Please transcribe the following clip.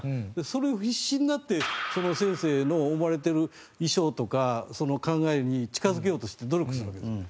それを必死になって先生の思われてる意匠とか考えに近づけようとして努力するわけです。